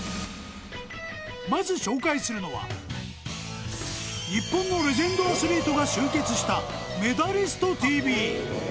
まず紹介するのは日本のレジェンドアスリートが集結した「メダリストＴＶ」